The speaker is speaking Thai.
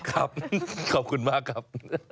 ครับขอบคุณมากครับ